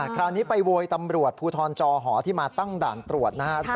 คราวนี้ไปโวยตำรวจภูทรจอหอที่มาตั้งด่านตรวจนะครับ